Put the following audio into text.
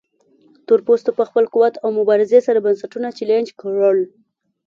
تورپوستو په خپل قوت او مبارزې سره بنسټونه چلنج کړل.